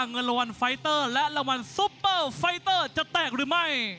เงินรางวัลไฟเตอร์และรางวัลซุปเปอร์ไฟเตอร์จะแตกหรือไม่